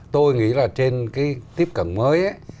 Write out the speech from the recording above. tôi nghĩ là trên cái tiếp cận mới